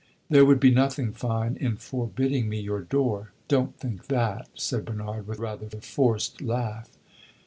"There would be nothing fine in forbidding me your door. Don't think that!" said Bernard, with rather a forced laugh.